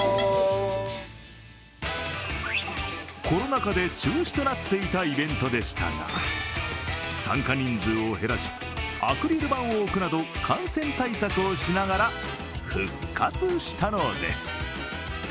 コロナ禍で中止となっていたイベントでしたが参加人数を減らし、アクリル板を置くなど感染対策をしながら復活したのです。